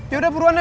ya udah buruan yuk